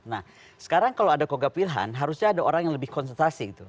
nah sekarang kalau ada kgp wilhan harusnya ada orang yang lebih konsentrasi gitu